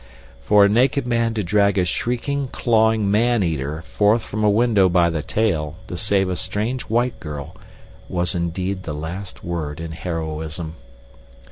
For a naked man to drag a shrieking, clawing man eater forth from a window by the tail to save a strange white girl, was indeed the last word in heroism.